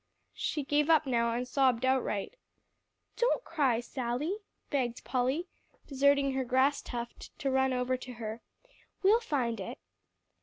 She gave up now, and sobbed outright. "Don't cry, Sally," begged Polly, deserting her grass tuft, to run over to her. "We'll find it."